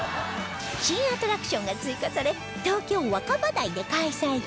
新アトラクションが追加され東京若葉台で開催中